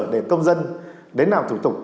để công dân đến làm thủ tục